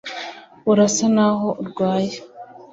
urasa naho urwaye